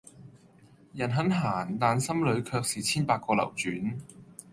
人很閒、但心裏卻是千百個流轉